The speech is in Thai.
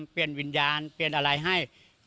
เปลี่ยนวิญญาณเปลี่ยนอะไรให้